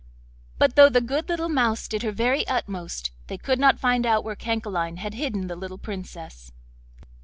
But though the good little mouse did her very utmost, they could not find out where Cancaline had hidden the little Princess.